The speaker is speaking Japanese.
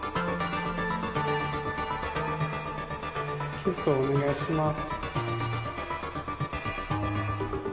キスをお願いします。